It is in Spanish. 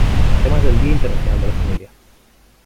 Temas del Día Internacional de la Familia